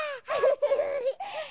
フフフッ。